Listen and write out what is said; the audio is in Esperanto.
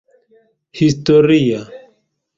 historia